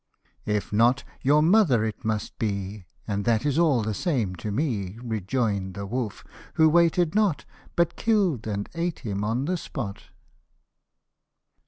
" If not, your mother it must be, And that is all the same to me," Rejoin'd the wolf who waited not, But kilTd and ate him on the spot.